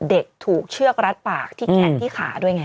เด็กถูกเชือกรัดปากที่แขนที่ขาด้วยไง